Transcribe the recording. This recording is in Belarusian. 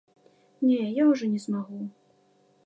Не, я ўжо не змагу.